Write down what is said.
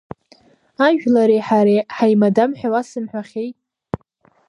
Ажәлари ҳареи ҳаимадам ҳәа уасымҳәахьеи.